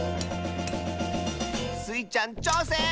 ⁉スイちゃんちょうせん！